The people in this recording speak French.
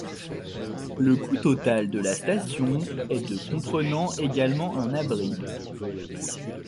Le coût total de la station est de comprenant également un abri.